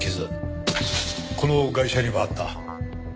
このガイシャにもあった。